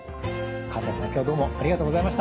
西さん今日はどうもありがとうございました。